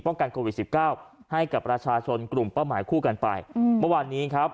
ป้องกันโควิด๑๙ให้กับราชาชนกลุ่มเป้าหมายคู่กันไปอืมวันนี้ครับ